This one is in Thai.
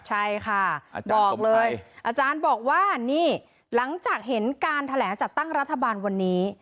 ใช่ค่ะบอกเลยอาจารย์บอกว่านี่หลังจากเห็นการแถลงจัดตั้งรัฐบาลวันนี้